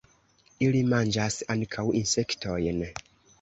Ili manĝas ankaŭ insektojn.